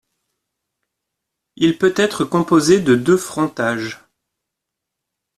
Il peut être composé de deux frontages.